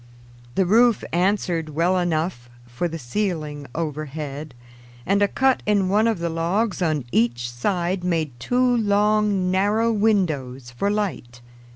The roof answered well enough for the ceiling overhead, and a cut in one of the logs on each side made two long, narrow windows for light.